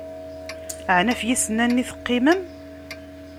Ɛni, ɣef yisennanen i teqqimem?